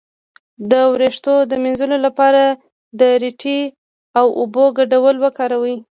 د ویښتو د مینځلو لپاره د ریټې او اوبو ګډول وکاروئ